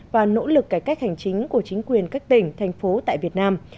và nỗ lực cải cách hành chính của chính quyền các tỉnh thành phố tại việt nam